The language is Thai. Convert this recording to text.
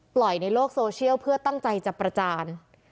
ในโลกโซเชียลเพื่อตั้งใจจะประจาน